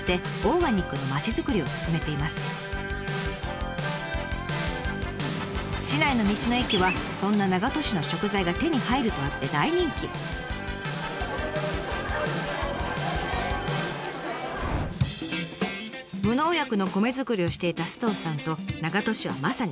無農薬の米作りをしていた首藤さんと長門市はまさにベストマッチング。